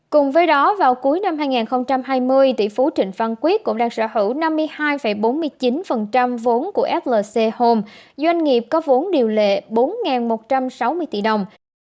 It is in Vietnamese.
cùng với đó vào cuối năm hai nghìn hai mươi tỷ phú trịnh văn quyết cũng đang sở hữu năm mươi hai bốn mươi chín vốn của flc home doanh nghiệp có vốn điều lệ bốn một trăm sáu mươi tỷ đồng